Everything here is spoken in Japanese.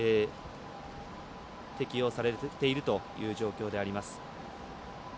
適用されているという状況であります。